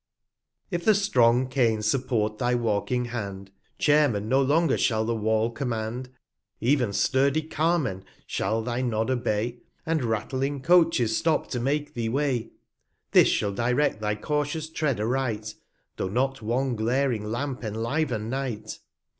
60 If the strong Cane support thy walking Hand, Chairmen no longer shall the Wall command; Ev'n sturdy Car men shall thy Nod obey, And rattling Coaches stop to make thee Way: This shall direct thy cautious Tread aright, 65 Though not one glaring Lamp enliven Night.